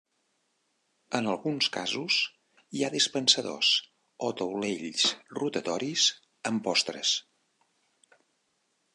En alguns casos hi ha dispensadors o taulells rotatoris amb postres.